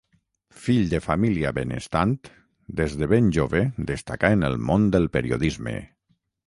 Fill de família benestant, des de ben jove destacà en el món del periodisme.